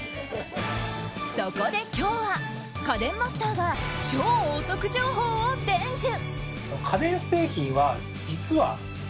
そこで今日は家電マスターが超お得情報を伝授。